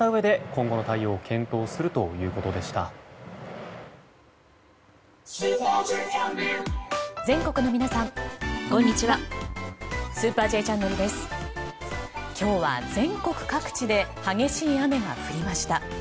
今日は全国各地で激しい雨が降りました。